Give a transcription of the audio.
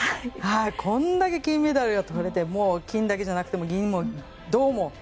こんだけ金メダルがとれて金だけじゃなくて銀も銅も。